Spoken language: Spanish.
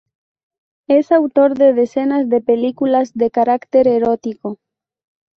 Es autor de decenas de películas de carácter erótico.